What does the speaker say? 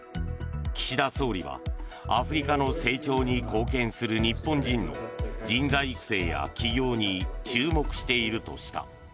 岸田総理はアフリカの成長に貢献する日本人の人材育成や起業に注目しているとした。